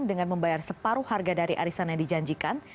dengan membayar separuh harga dari arisan yang dijanjikan